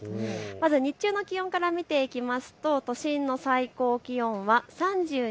まず日中の気温から見ていくと都心の最高気温は３２．５度。